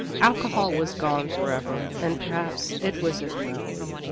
Alcohol was gone forever, and perhaps it was as well.